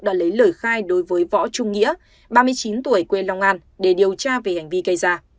đã lấy lời khai đối với võ trung nghĩa ba mươi chín tuổi quê long an để điều tra về hành vi gây ra